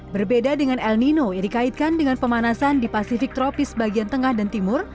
berbeda dengan el nino yang dikaitkan dengan pemanasan di pasifik tropis bagian tengah dan timur